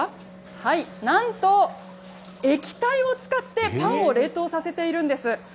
はい、なんと、液体を使ってパンを冷凍させているんです。